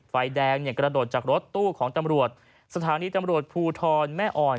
ไฟแดงเนี่ยกระโดดจากรถตู้ของตำรวจสถานีตำรวจภูทรแม่อ่อน